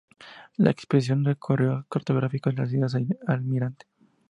La expedición recorrió y cartografió las islas Almirante.